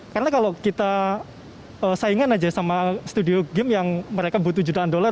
karena kalau kita saingan aja sama studio game yang mereka butuh jutaan dolar